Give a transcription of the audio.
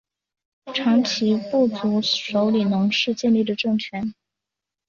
长其部族首领侬氏建立的政权。